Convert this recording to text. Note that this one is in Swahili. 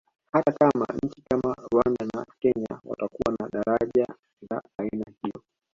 Hata kama nchi kama Rwanda au Kenya watakuwa na daraja za aina hiyo